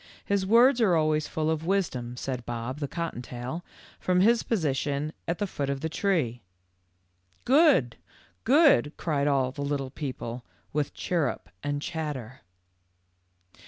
His words are always full of wisdom," said Bob, the cottontail, from his position at the foot of the tree. w Good ! Good !" cried all the little people, with chirrup and chatter.